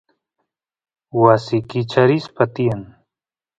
wasi kicharispa tiyan